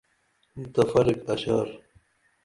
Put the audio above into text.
متفرق اشعار